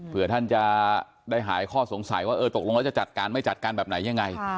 เพื่อท่านจะได้หายข้อสงสัยว่าเออตกลงแล้วจะจัดการไม่จัดการแบบไหนยังไง